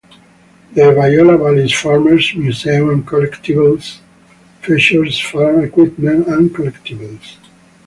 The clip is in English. The Viola Valley Farmer's Museum and Collectibles features farm equipment, and collectibles.